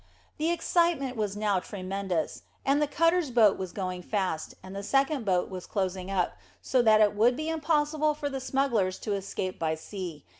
The excitement was now tremendous: the cutter's boat was going fast, and the second boat was closing up, so that it would be impossible for the smugglers to escape by sea.